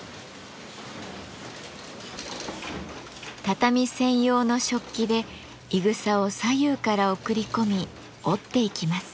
畳専用の織機でいぐさを左右から送り込み織っていきます。